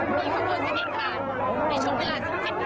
ในช่วงเวลาสิ้นเศรษฐ์อเมริกาค่ะ